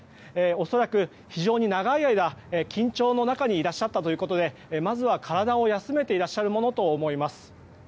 おそらく、非常に長い間緊張の中にいらっしゃったということでまずは体を休めていると思われます。